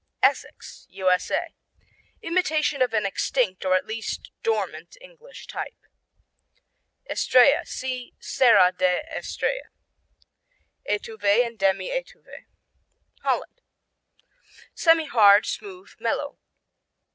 Essex U.S.A. Imitation of an extinct or at least dormant English type. Estrella see Serra da Estrella. Étuve and Demi Étuve Holland Semihard; smooth; mellow.